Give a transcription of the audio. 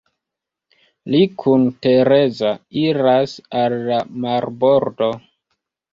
Li kun Tereza iras al la marbordo.